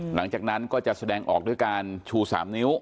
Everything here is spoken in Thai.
หลังจากนั้นก็จะแสดงออกด้วยการชู๓นิ้ว